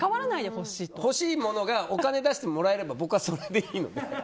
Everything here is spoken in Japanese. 欲しいものがお金を出してもらえればそれでいいので。